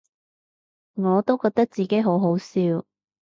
我都覺得自己好好笑